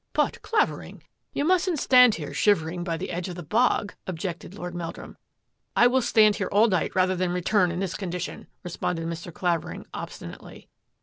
" But, Clavering, you mustn't stand here shiver CLAVERING MUDDIES ms BOOTS 137 ing by the edge of the bog,'' objected Lord Mel drum. " I will stand here all night rather than return in this condition," responded Mr. Qavering obsti nately.